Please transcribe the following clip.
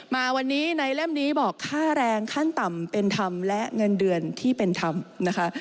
มาวันนี้ในเล่มนี้บอกค่าแรงขั้นต่ำเป็นธรรมและเงินเดือนที่เป็นธรรมนะคะ